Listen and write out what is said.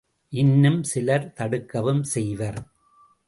இன்னுஞ் சிலர் தடுக்கவும் செய்வர்.